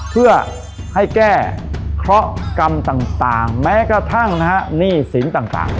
เพื่อให้แก้เคราะหกรรมต่างแม้กระทั่งนะฮะหนี้สินต่าง